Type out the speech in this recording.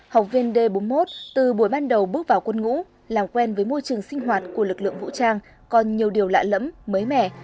học viên d bốn mươi một từ buổi ban đầu bước vào quân ngũ làm quen với môi trường sinh hoạt của lực lượng vũ trang còn nhiều điều lạ lẫm mới mẻ